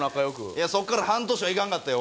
いやそこから半年は行かんかったよ